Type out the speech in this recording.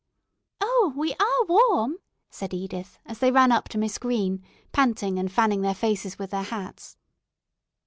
"Oh, we are warm," said Edith, as they ran up to Miss Green, panting and fanning their faces with their hats.